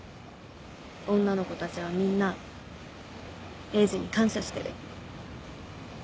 女の子たちはみんなエイジに感謝してる。